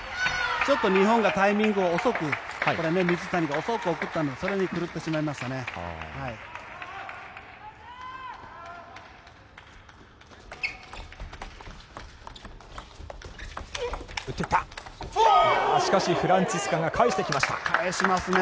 ちょっと日本の水谷がタイミングを遅く送ったのでそれに狂ってしまいましたね。